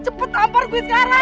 cepet nampar gue sekarang